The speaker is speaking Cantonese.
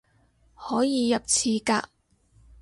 可以入廁格